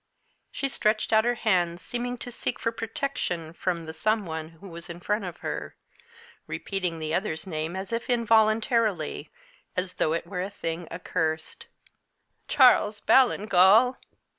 She stretched out her hands, seeming to seek for protection from the some one who was in front of her repeating the other's name as if involuntarily, as though it were a thing accursed. "Charles Ballingall!"